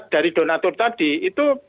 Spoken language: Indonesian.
dari donatur tadi itu